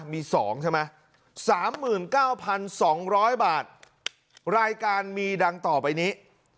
มีสองใช่ไหมสามหมื่นเก้าพันสองร้อยบาทรายการมีดังต่อไปนี้